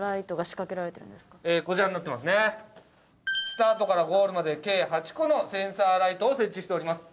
スタートからゴールまで計８個のセンサーライトを設置しております。